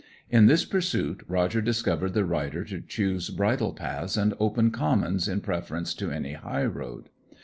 In this pursuit Roger discovered the rider to choose bridle tracks and open commons in preference to any high road.